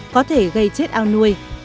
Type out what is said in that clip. có thể gây chết ao nuôi